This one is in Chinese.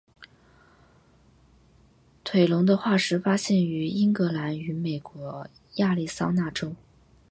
腿龙的化石发现于英格兰与美国亚利桑那州。